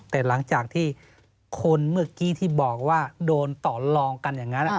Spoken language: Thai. แต่หลังจากที่คนเมื่อกี้ที่บอกว่าโดนต่อลองกันอย่างนั้น